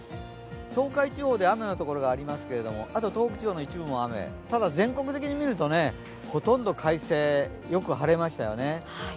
東海地方で、雨のところがありますけどあと東北地方の一部も雨、ただ、全国的に見るとほとんど快晴、よく晴れましたよね